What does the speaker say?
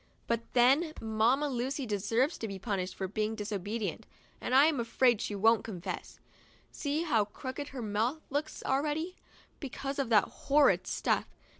But then Mamma Lucy deserves to be punished for being disobedient, and I'm afraid she won't confess. See how crooked her mouth looks already, because of that horrid stuff.